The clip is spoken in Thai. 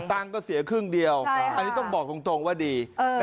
ตังก็เสียครึ่งเดียวใช่ค่ะอันนี้ต้องบอกตรงตรงว่าดีเออ